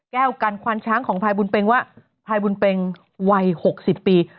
แก้วกันควานช้างของพายบุญเป็งว่าพายบุญเป็งวัย๖๐ปี